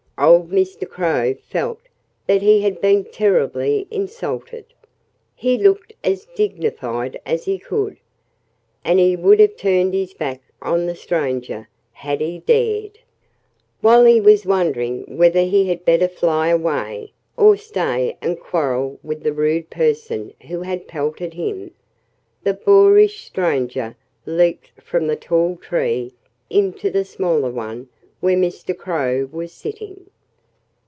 Old Mr. Crow felt that he had been terribly insulted. He looked as dignified as he could. And he would have turned his back on the stranger had he dared. While he was wondering whether he had better fly away, or stay and quarrel with the rude person who had pelted him, the boorish stranger leaped from the tall tree into the smaller one where Mr. Crow was sitting.